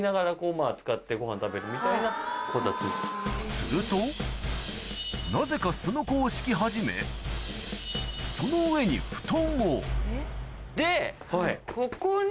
するとなぜかすのこを敷き始めその上に布団をで。